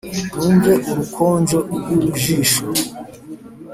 Numve urukonjo rw’urujijo